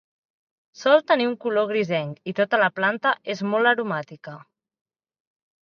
Sol tenir un color grisenc i tota la planta és molt aromàtica.